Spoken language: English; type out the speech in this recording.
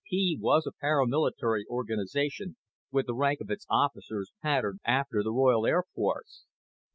PP was a paramilitary organization with the rank of its officers patterned after the Royal Air Force.